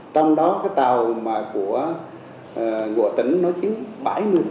trong đó tàu của ngụa tỉnh chiếm bảy mươi